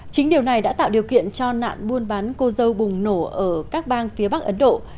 chính điều này đã tạo điều kiện cho nạn buôn bán cô dâu bùng nổ ở các bang phía bắc ấn độ